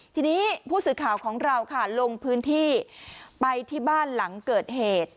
ทีนี้ผู้สื่อข่าวของเราค่ะลงพื้นที่ไปที่บ้านหลังเกิดเหตุ